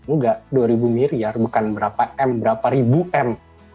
enggak dua ribu miliar bukan berapa m berapa ribuan